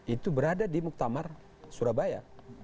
itu berada di muktamar surabaya